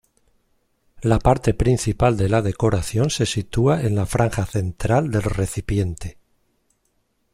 La parte principal de la decoración se sitúa en la franja central del recipiente.